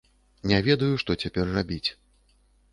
Не ведаю, што цяпер рабіць.